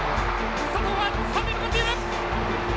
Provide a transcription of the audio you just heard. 佐藤は三塁へ向かっている。